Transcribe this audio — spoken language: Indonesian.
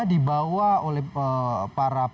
dibawa oleh para